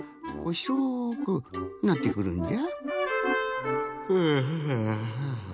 しょくなってくるんじゃ。